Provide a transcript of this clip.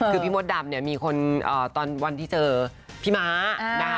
คือพี่มดดำเนี่ยมีคนตอนวันที่เจอพี่ม้านะคะ